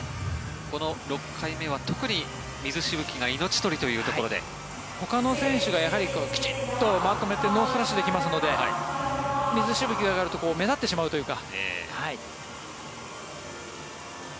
この６回目は特に水しぶきがほかの選手がきちんとまとめてノースプラッシュできますので水しぶきが上がると目立ってしまうというか。